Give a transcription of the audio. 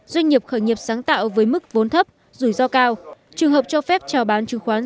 doanh nghiệp khởi nghiệp sáng tạo với mức vốn thấp rủi ro cao trường hợp cho phép trào bán chứng khoán